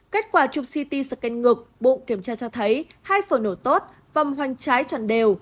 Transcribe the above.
kết quả chụp ct scan ngực bụng kiểm tra cho thấy hai phở nổ tốt vòng hoành trái tròn đều